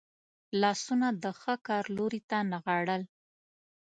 لاسونه د ښه کار لوري ته نغاړل.